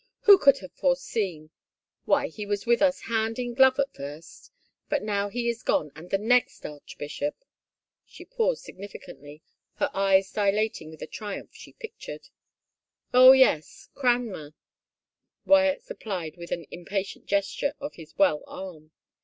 Who could have foreseen — why he was with us hand in glove at first! But now he is gone and the next arch bishop —" she paused significantly, her eyes dilating with the triumph she pictured. 241 THE FAVOR OF KINGS " Oh, yes, Cranmer," Wyatt supplied with an impatient gesture with his well arm.